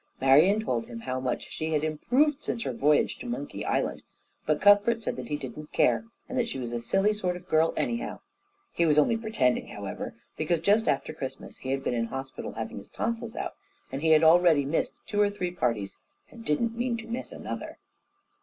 Marian told him how much she had improved since her voyage to Monkey Island, but Cuthbert said that he didn't care, and that she was a silly sort of girl anyhow. He was only pretending, however, because just after Christmas he had been in hospital having his tonsils out, and he had already missed two or three parties and didn't mean to miss another.